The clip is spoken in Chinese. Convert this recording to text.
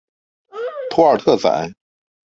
托尔特宰。